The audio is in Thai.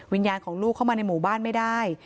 วิญญาณของลูกเข้ามาในหมู่บ้านไม่ได้